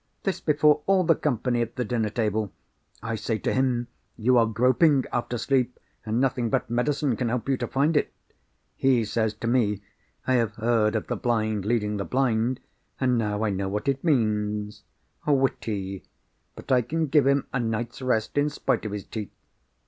This before all the company at the dinner table. I say to him, you are groping after sleep, and nothing but medicine can help you to find it. He says to me, I have heard of the blind leading the blind, and now I know what it means. Witty—but I can give him a night's rest in spite of his teeth.